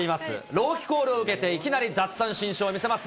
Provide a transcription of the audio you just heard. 朗希コールを受けて、奪三振ショーを見せます。